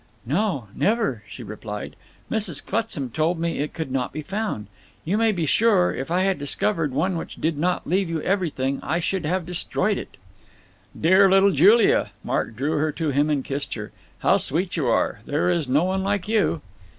"No, never," she replied. "Mrs. Clutsam told me it could not be found. You may be sure, if I had discovered one which did not leave you everything, I should have destroyed it." "Dear little Julia!" Mark drew her to him and kissed her. "How sweet you are. There is no one like you!"